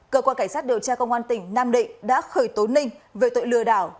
cơ quan cảnh sát điều tra công an tỉnh nam định đã khởi tố ninh về tội lừa đảo